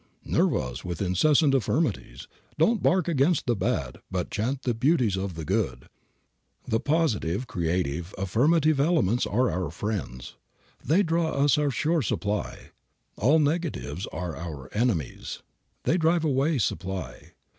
"Nerve us with incessant affirmatives. Don't bark against the bad, but chant the beauties of the good." The positive, creative, affirmative elements are our friends. They draw us our sure supply. All negatives are our enemies. They drive away supply.